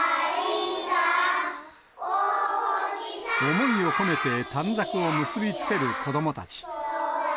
思いを込めて短冊を結び付ける子どもたち。